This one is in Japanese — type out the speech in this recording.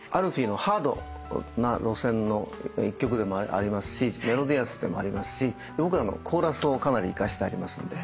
ＡＬＦＥＥのハードな路線の一曲でもありますしメロディアスでもありますし僕らのコーラスをかなり生かしてありますので。